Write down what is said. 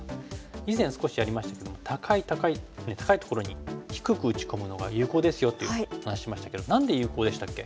以前少しやりましたけど高い高い高いところに低く打ち込むのが有効ですよっていう話ししましたけど何で有効でしたっけ？